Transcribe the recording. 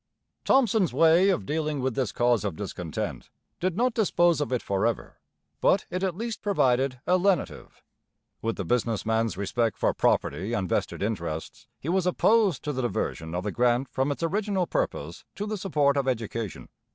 Thomson's way of dealing with this cause of discontent did not dispose of it for ever, but it at least provided a lenitive. With the business man's respect for property and vested interests, he was opposed to the diversion of the grant from its original purpose to the support of education.